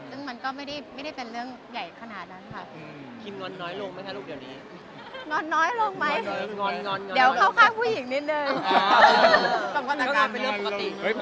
ซึ่งมันก็ไม่ได้เป็นเรื่องใหญ่ขนาดนั้นค่ะ